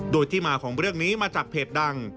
โดยที่มาของเรื่องนี้มาจากเพจดัง